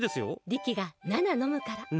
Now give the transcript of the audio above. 力が７飲むから。